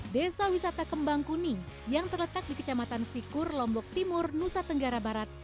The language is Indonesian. desa wisata kembang kuning yang terletak di kecamatan sikur lombok timur nusa tenggara barat